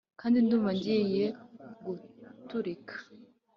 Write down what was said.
kandi ndumva ngiye guturika,